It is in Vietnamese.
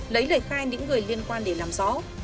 lấy lời khai những người liên quan để làm rõ